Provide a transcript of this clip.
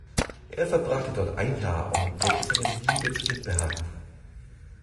Er verbrachte dort ein Jahr und entdeckte seine Liebe zu den Bergen.